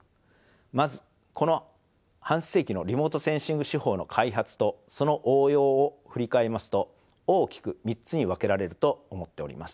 まずこの半世紀のリモートセンシング手法の開発とその応用を振り返りますと大きく３つに分けられると思っております。